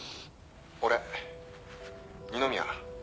俺二宮。